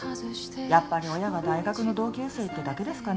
やっぱり親が大学の同級生ってだけですかね